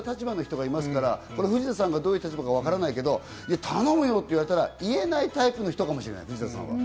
でもそれだと立場的にいろんな立場の人がいますから、藤田さんがどういう立場かわからないけど、頼むよって言われたら言えないタイプの人かもしれない。